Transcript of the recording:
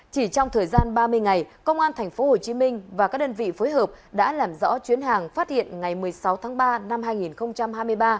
chỉ trong thời gian ba mươi ngày công an tp hcm và các đơn vị phối hợp đã làm rõ chuyến hàng phát hiện ngày một mươi sáu tháng ba năm hai nghìn hai mươi ba